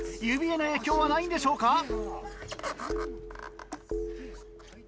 指への影響はないんでしょうか。